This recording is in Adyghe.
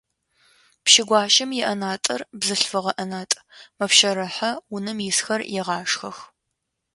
Пщы гуащэм иӏэнатӏэр - бзылъфыгъэ ӏэнатӏ, мэпщэрыхьэ, унэм исхэр егъашхэх.